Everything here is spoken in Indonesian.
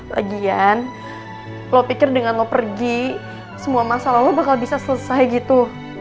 lagian lo pikir dengan lo pergi semua masa lalu bakal bisa selesai gitu